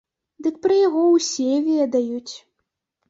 Дык пра яго ўсе ведаюць!